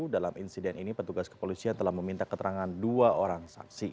dalam insiden ini petugas kepolisian telah meminta keterangan dua orang saksi